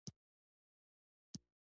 هغه خو راته دروغ نه ويل.